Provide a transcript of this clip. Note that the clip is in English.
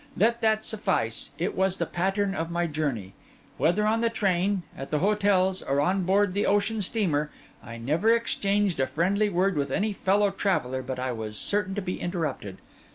Let that suffice: it was the pattern of my journey. Whether on the train, at the hotels, or on board the ocean steamer, I never exchanged a friendly word with any fellow traveller but I was certain to be interrupted.